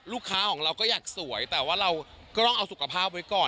ของเราก็อยากสวยแต่ว่าเราก็ต้องเอาสุขภาพไว้ก่อน